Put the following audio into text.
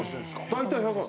大体１００万。